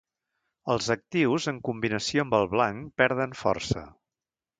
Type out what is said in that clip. Els actius, en combinació amb el blanc, perden força.